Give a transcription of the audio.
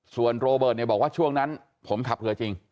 ส่วนโรเบิร์ตบอกว่าช่วงนั้นผมขับเรือจริง